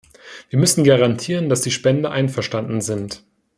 Wir müssen garantieren, dass die Spender einverstanden sind.